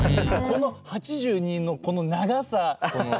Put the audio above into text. この８２のこの長さ。